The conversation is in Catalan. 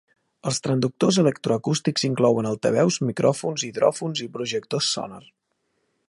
Els transductors electroacústics inclouen altaveus, micròfons, hidròfons i projectors sonar.